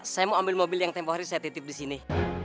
saya mau ambil mobil yang tempoh hari saya titip di sini